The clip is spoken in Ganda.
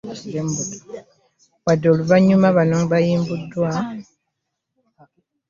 Wadde ng'oluvannyuma bano bayimbuddwa.